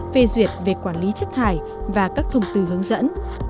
phê duyệt về quản lý chất thải và các thông tư hướng dẫn